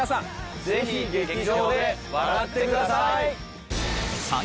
ぜひ劇場で笑ってください！